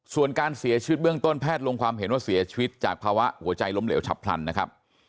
ส่วนการเสียชีวิตเบื้องต้นแพทย์ลงความเห็นว่าเสียชีวิตจากภาวะหัวใจล้มเหลวฉับพลันนะครับ